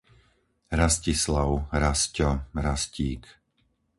Rastislav, Rasťo, Rastík